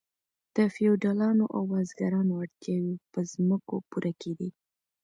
د فیوډالانو او بزګرانو اړتیاوې په ځمکو پوره کیدې.